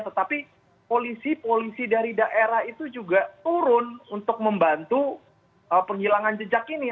tetapi polisi polisi dari daerah itu juga turun untuk membantu penghilangan jejak ini